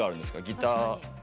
ギター？